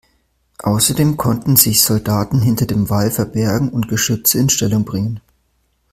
Außerdem konnten sich Soldaten hinter dem Wall verbergen und Geschütze in Stellung bringen.